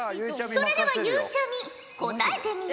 それではゆうちゃみ答えてみよ。